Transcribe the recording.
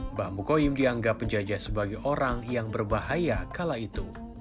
mbah mukoyum dianggap penjajah sebagai orang yang berbahaya kala itu